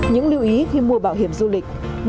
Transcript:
những lưu ý khi mua bảo hiểm du lịch